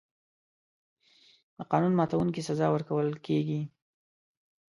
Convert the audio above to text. د قانون ماتونکي سزا ورکول کېږي.